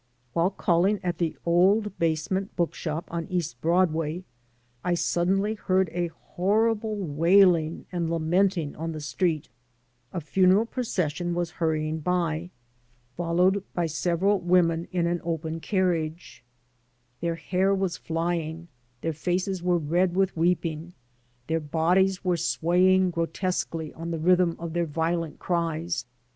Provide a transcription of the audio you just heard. While calling at the old basement bookshop on East Broadway I suddenly heard a horrible wailing and lamenting on the street. A funeral procession was hurrying by, followed by several women in an open 260 THE BOMANCE OF READJUSTMENT carriage. Their hair was flying, their faces were red with weeping, their bodies were swaying grotesquely to the rhythm of their violent cries.